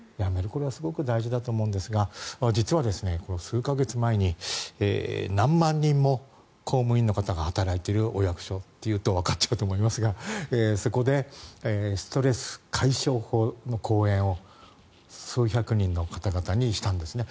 これはすごく大事だと思うんですが、実は数か月前に何万人も公務員の方が働いているお役所と言うとわかっちゃうと思いますがそこでストレス解消法の講演を数百人の方々にしたんですね。